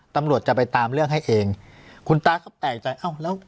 ตำรวจจะไปตามเรื่องให้เองคุณตาก็แปลกใจเอ้าแล้ว